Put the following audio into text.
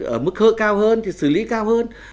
ở mức hợp cao hơn thì xử lý cao hơn